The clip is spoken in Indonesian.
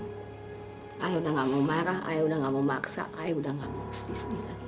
saya udah gak mau marah saya udah gak mau maksa saya udah gak mau sedih sedih lagi